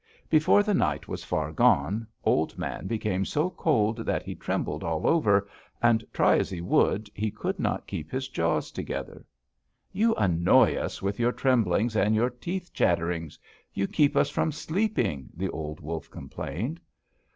"Before the night was far gone, Old Man became so cold that he trembled all over, and, try as he would, he could not keep his jaws together. "'You annoy us with your tremblings, and your teeth chatterings; you keep us from sleeping,' the old wolf complained.